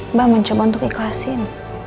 mba mencoba untuk ikhlasin